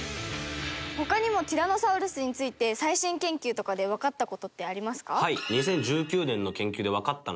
他にもティラノサウルスについて最新研究とかでわかった事ってありますか？